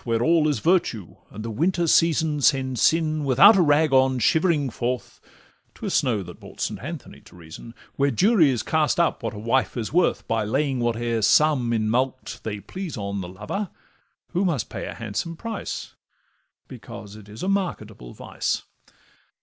Where all is virtue, and the winter season Sends sin, without a rag on, shivering forth ('Twas snow that brought St. Anthony to reason); Where juries cast up what a wife is worth, By laying whate'er sum in mulct they please on The lover, who must pay a handsome price, Because it is a marketable vice.